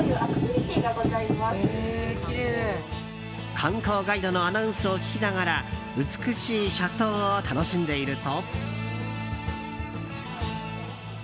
観光ガイドのアナウンスを聞きながら美しい車窓を楽しんでいると。